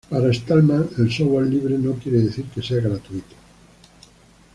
Para Stallman el software libre no quiere decir que sea gratis.